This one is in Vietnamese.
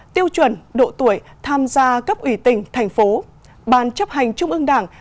tiêu chuẩn độ tuổi tham gia cấp ủy tỉnh thành phố ban chấp hành trung ương đảng